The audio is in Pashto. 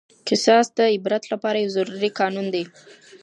قصاص د عبرت لپاره یو ضروري قانون دی.